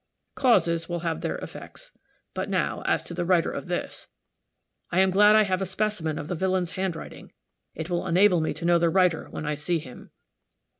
Causes will have their effects. But now, as to the writer of this I am glad I have a specimen of the villain's handwriting; it will enable me to know the writer when I see him."